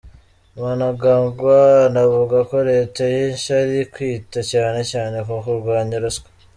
Mnangagwa anavuga ko reta ye nshya iri kwita cyane cyane kukurwanya ruswa.